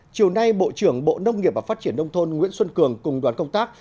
chiều nay bộ trưởng bộ nông nghiệp và phát triển nông thôn nguyễn xuân cường cùng đoàn công tác